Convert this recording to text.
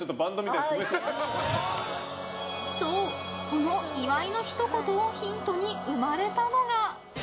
そう、この岩井のひと言をヒントに生まれたのが。